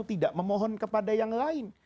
tidak memohon kepada yang lain